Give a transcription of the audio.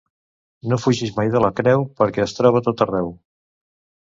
No fugis mai de la creu, perquè es troba a tot arreu.